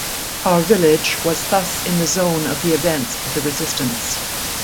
Our village was thus in the zone of the events of the Resistance.